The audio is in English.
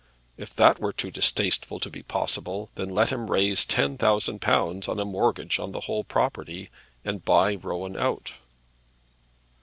If that were too distasteful to be possible, then let him raise ten thousand pounds on a mortgage on the whole property, and buy Rowan out.